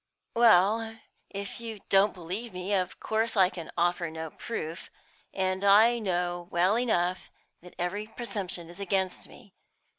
"Well if you don't believe me, of course I can offer no proof; and I know well enough that every presumption is against me.